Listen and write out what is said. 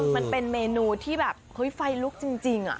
มันเป็นเมนูที่แบบฟัยลุกจริงอ่ะ